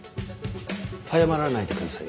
早まらないでくださいよ。